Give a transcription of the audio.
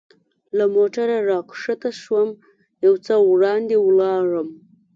له موټره را کښته شوم، یو څه وړاندې ولاړم.